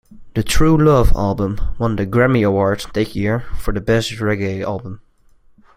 The True Love album won the Grammy Award that year for best reggae album.